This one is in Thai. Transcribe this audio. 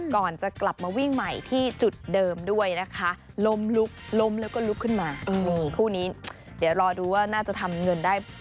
ก่อนจะกลับมาวิ่งใหม่ที่จุดเดิมด้วยนะคะล้มลุกล้มแล้วก็ลุกขึ้นมานี่คู่นี้เดี๋ยวรอดูว่าน่าจะทำเงินได้